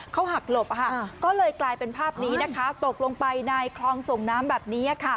เขาหักหลบก็เลยกลายเป็นภาพนี้นะคะตกลงไปในคลองส่งน้ำแบบนี้